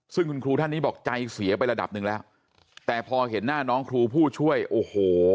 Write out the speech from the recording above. ซึ่งคุณครูท่านนี้บอกใจเสียไประดับหนึ่งแล้วแต่พอเห็นหน้าน้องครูผู้ช่วยโอ้โห